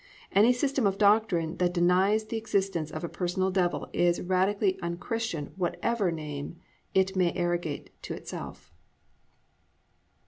_Any system of doctrine that denies the existence of a personal Devil is radically unchristian whatever name it may arrogate to itself.